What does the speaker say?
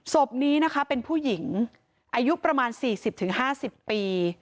ศพนี้นะคะเป็นผู้หญิงอายุประมาณ๔๐๕๐ปี